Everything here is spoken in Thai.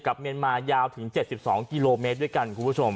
กับเมียนมายาวถึง๗๒กิโลเมตรด้วยกัน